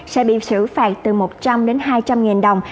sẽ bị xử phạt từ một trăm linh đến hai trăm linh nghìn đồng